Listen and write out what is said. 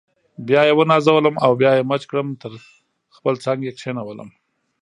بیا یې ونازولم او بیا یې مچ کړم تر خپل څنګ یې کښېنولم.